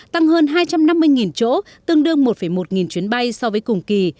tăng hơn hai trăm năm mươi chỗ tương đương một một nghìn chuyến bay so với cùng kỳ